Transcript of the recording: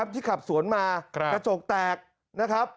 ที่ขับสวนมากระจกแตก